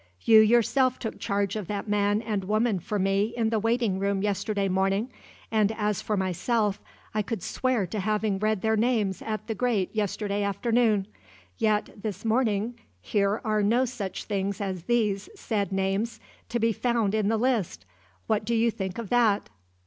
You yourself took charge of that man and woman for me, in the waiting room, yesterday morning; and as for myself, I could swear to having read their names at the grate yesterday afternoon. Yet this morning here are no such things as these said names to be found in the list! What do you think of that?"